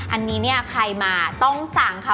อันนี้เนี่ยใครมาต้องสั่งค่ะ